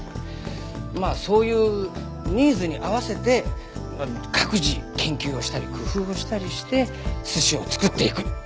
まあそういうニーズに合わせて各自研究をしたり工夫をしたりして寿司を作っていく。